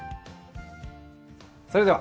それでは。